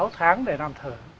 sáu tháng để làm thử